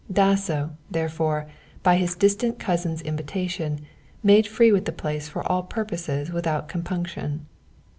Dasso, therefore, by his distant cousin's invitation made free with the place for all purposes without compunction.